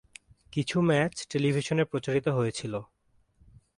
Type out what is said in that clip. কিছু ম্যাচ টেলিভিশনে প্রচারিত হয়েছিল।